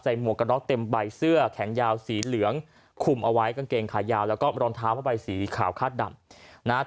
ใส่หมวกกันล็อคเต็มใบเสื้อแข็งยาวสีเหลืองขุมเอาไว้กางเกงขายาวแล้วก็ร้อนเท้าเข้าไปสีขาวคาดดำ